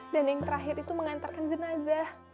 dan yang terakhir itu mengantarkan jenazah